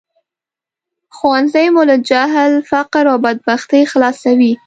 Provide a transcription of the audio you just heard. ښوونځی مو له جهل، فقر او بدبختۍ خلاصوي